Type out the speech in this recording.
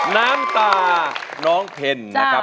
น้ำตาน้องเคนนะครับ